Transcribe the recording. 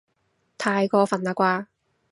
太過分喇啩